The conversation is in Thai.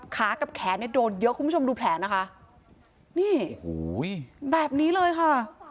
กับแขนเนี่ยโดนเยอะคุณผู้ชมดูแผลนะคะนี่โอ้โหแบบนี้เลยค่ะ